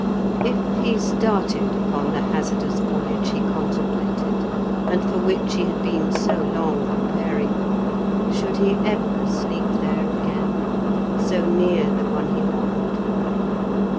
If he started upon the hazardous voyage he contemplated, and for which he had been so long preparing, should he ever sleep there again, so near the one he loved?